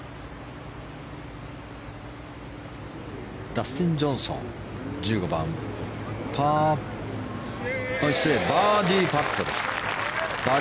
ダスティン・ジョンソン１５番、バーディーパットです。